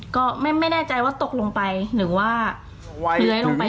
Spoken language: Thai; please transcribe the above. ก็ไม่แน่ใจว่าตกลงไปหรือว่าเลื้อยลงไป